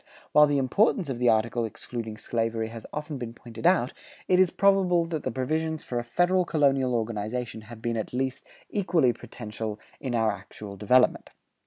[132:1] While the importance of the article excluding slavery has often been pointed out, it is probable that the provisions for a federal colonial organization have been at least equally potential in our actual development.